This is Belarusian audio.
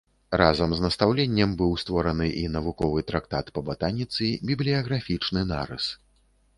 Разам з настаўленнем быў створаны і навуковы трактат па батаніцы, бібліяграфічны нарыс.